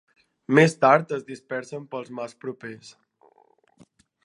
Més tard es dispersen pels mars propers.